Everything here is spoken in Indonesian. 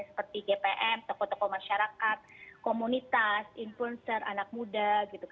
seperti gpm tokoh tokoh masyarakat komunitas influencer anak muda